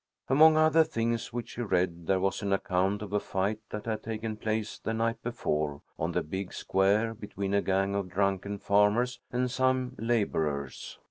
Among other things which she read, there was an account of a fight that had taken place the night before, on the big square, between a gang of drunken farmers and some laborers.